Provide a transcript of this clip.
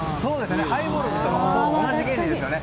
ハイボールとかも同じ原理ですよね。